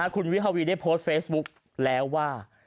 คุณวิภาวีได้โพสต์เฟซบุ๊กแล้วว่า